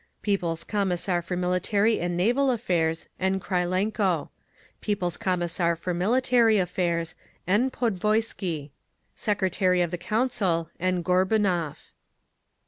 People's Commissar for Military and Naval Affairs, N. KRYLENKO. People's Commissar for Military Affairs, N. PODVOISKY. Secretary of the Council, N. GORBUNOV.